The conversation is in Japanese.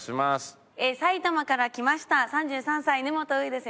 埼玉から来ました３３歳根本羽衣です。